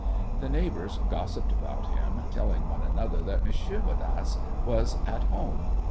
The neighbours gossipped about him, telling one another that Monsieur Bodasse was at home.